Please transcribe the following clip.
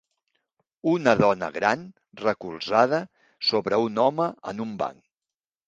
Una dona gran recolzada sobre un home en un banc.